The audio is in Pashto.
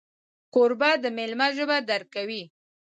کوربه د میلمه ژبه درک کوي.